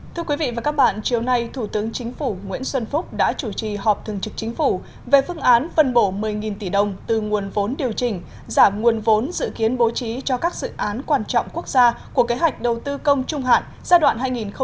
thưa quý vị và các bạn chiều nay thủ tướng chính phủ nguyễn xuân phúc đã chủ trì họp thường trực chính phủ về phương án phân bổ một mươi tỷ đồng từ nguồn vốn điều chỉnh giảm nguồn vốn dự kiến bố trí cho các dự án quan trọng quốc gia của kế hoạch đầu tư công trung hạn giai đoạn hai nghìn một mươi sáu hai nghìn hai mươi